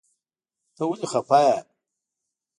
ته ولی خپه یی ؟